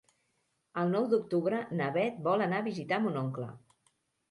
El nou d'octubre na Beth vol anar a visitar mon oncle.